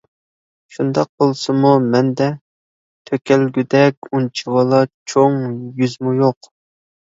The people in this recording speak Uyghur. شۇنداق بولسىمۇ، مەندە تۆكۈلگۈدەك ئۇنچىۋالا «چوڭ» يۈزمۇ يوق.